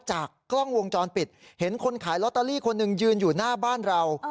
จากกล้องวงจรปิดเห็นคนขายลอตเตอรี่คนหนึ่งยืนอยู่หน้าบ้านเรา